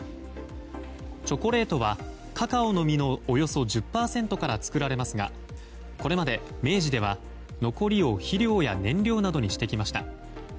チョコレートはカカオの実のおよそ１０％から作られますがこれまで明治では、残りを肥料や燃料などにしてきました。